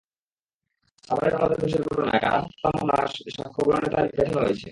সাভারের রানা প্লাজা ধসের ঘটনায় করা হত্যা মামলায় সাক্ষ্য গ্রহণের তারিখ পেছানো হয়েছে।